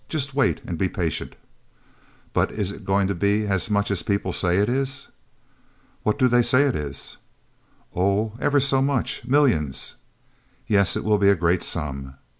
Just wait, and be patient." "But is it going to be as much as people say it is?" "What do they say it is?" "Oh, ever so much. Millions!" "Yes, it will be a great sum."